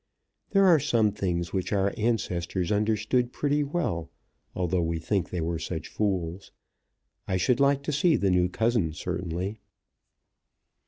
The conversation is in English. There are some things which our ancestors understood pretty well, although we think they were such fools. I should like to see the new cousin, certainly."